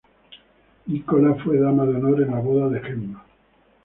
Nicola fue dama de honor en la boda de Gemma.